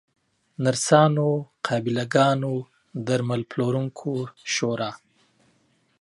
نرسانو، قابله ګانو، درمل پلورونکو شورا